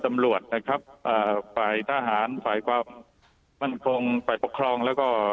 ตำรวจนะครับอ่าฝ่ายทหารฝ่ายความมั่นคงฝ่ายปกครองแล้วก็